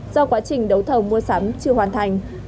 do quá trình đấu thầu mua sắm chưa hoàn thành